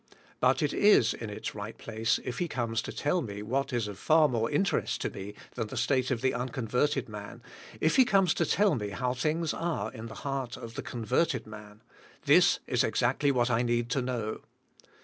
But it is in its right place if he comes to tell me what is of far more in terest to me than the state of the unconverted man, if he comes to tell me how things are in the heart of the converted man, this is exactly what I need to know.